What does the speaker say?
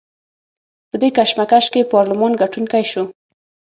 په دې کشمکش کې پارلمان ګټونکی شو.